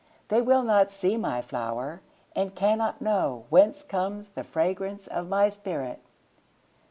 They will not see my flower, And cannot knowWhence comes the fragrance of my spirit!